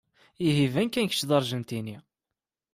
Ihi iban kan kecc d aṛjentini.